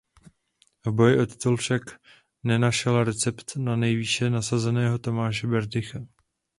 V boji o titul však nenašel recept na nejvýše nasazeného Tomáše Berdycha.